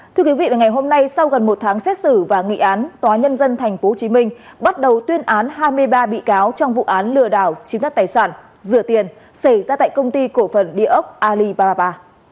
thưa quý vị ngày hôm nay sau gần một tháng xét xử và nghị án tòa nhân dân tp hcm bắt đầu tuyên án hai mươi ba bị cáo trong vụ án lừa đảo chiếm đất tài sản rửa tiền xảy ra tại công ty cổ phần địa ốc alibaba